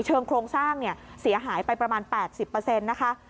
โครงสร้างเสียหายไปประมาณ๘๐นะคะ